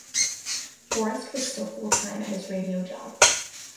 Forrest was still full-time at his radio job.